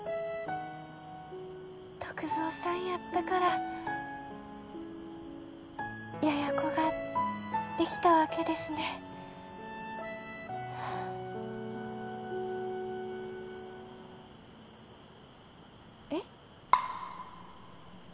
篤蔵さんやったからやや子ができたわけですねえッ？